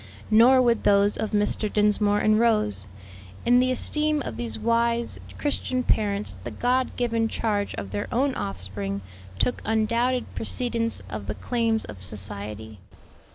Nor would those of Mr. Dinsmore and Rose. In the esteem of these wise, Christian parents the God given charge of their own offspring took undoubted precedence of the claims of society.